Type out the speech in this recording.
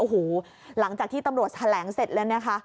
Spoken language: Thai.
โอ้โหหลังจากที่ตำรวจแถลงเสร็จแล้วนะคะ